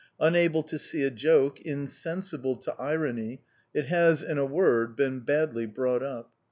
Unable to see a joke, insensible to irony, it has, in a word, been badly brought up.